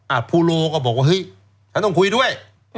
ภูโลก็บอกว่าเฮ้ยฉันต้องคุยด้วย